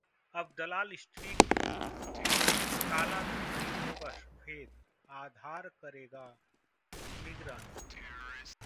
अब दलाल स्ट्रीट पर कालाधन नहीं होगा सफेद, आधार करेगा निगरानी